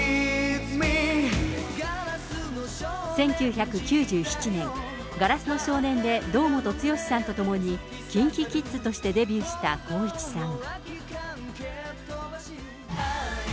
１９９７年、ガラスの少年で堂本剛さんと共にＫｉｎＫｉＫｉｄｓとしてデビューした光一さん。